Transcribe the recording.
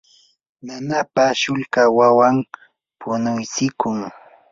nanapa shulka wawan punuysikim.